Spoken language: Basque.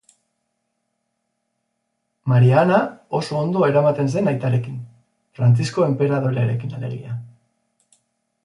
Maria Ana oso ondo eramaten zen aitarekin, Frantzisko enperadorearekin, alegia.